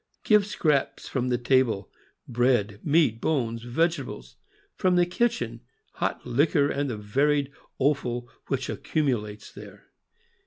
Give scraps from the table — bread, meat, bones, vegetables; from the kitchen, hot liquor and the varied offal which accumulates there.